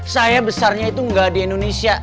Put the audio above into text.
saya besarnya itu nggak di indonesia